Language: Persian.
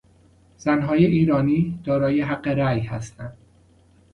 زنهای ایرانی دارای حق رای هستند.